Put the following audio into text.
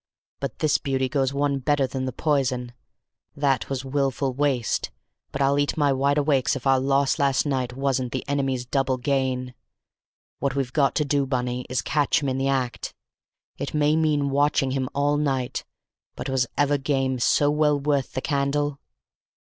But this beauty goes one better than the poison; that was wilful waste; but I'll eat my wideawake if our loss last night wasn't the enemy's double gain! What we've got to do, Bunny, is to catch him in the act. It may mean watching him all night, but was ever game so well worth the candle?"